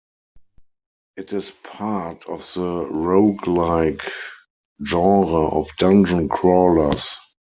It is part of the roguelike genre of dungeon crawlers.